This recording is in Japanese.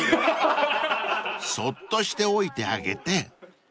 ［そっとしておいてあげて］